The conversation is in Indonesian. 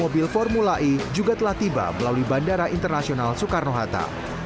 mobil formula e juga telah tiba melalui bandara internasional soekarno hatta